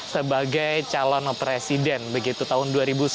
sebagai calon presiden begitu tahun dua ribu sembilan belas